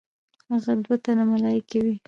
هغه دوه تنه ملایکې وې.